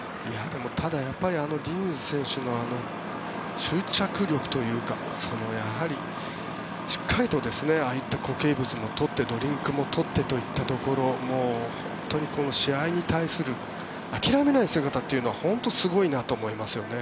ディニズ選手の執着力というかやはり、しっかりとああいった固形物も取ってドリンクも取ってというところ本当に試合に対する諦めない姿というのは本当にすごいなと思いますよね。